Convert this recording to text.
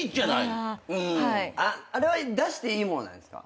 あれは出していいものなんですか？